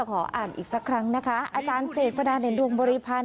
ขออ่านอีกสักครั้งนะคะอาจารย์เจษฎาเด่นดวงบริพันธ์